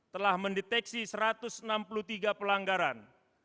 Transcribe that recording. telah mendeteksi satu ratus enam puluh tiga pelanggaran